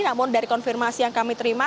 namun dari konfirmasi yang kami terima